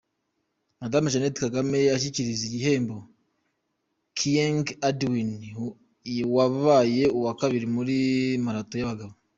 Madame Jeannette Kagame ashyikiriza igihembo Kiyeng Edwin wabaye uwa kabiri muri marato y'abagabo.